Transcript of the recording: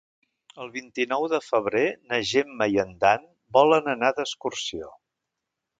El vint-i-nou de febrer na Gemma i en Dan volen anar d'excursió.